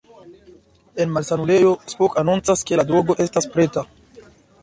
En malsanulejo, Spock anoncas, ke la drogo estas preta.